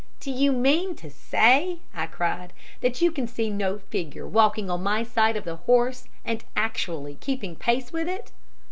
"Do you mean to say," I cried, "that you can see no figure walking on my side of the horse and actually keeping pace with it?"